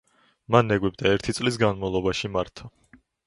მან ეგვიპტე ერთი წლის განმავლობაში მართა.